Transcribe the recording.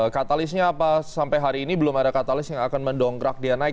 katalisnya apa sampai hari ini belum ada katalis yang akan mendongkrak dia naik